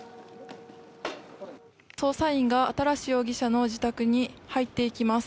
捜査員が新容疑者の自宅に入っていきます。